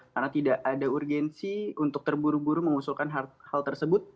karena tidak ada urgensi untuk terburu buru mengusulkan hal tersebut